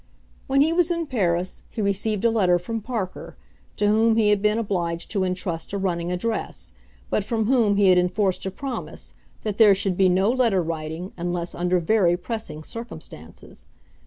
When he was in Paris he received a letter from Parker, to whom he had been obliged to intrust a running address, but from whom he had enforced a promise that there should be no letter writing unless under very pressing circumstances.